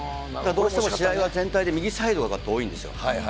どうしても試合は、全体で右サイドが多いんですよ。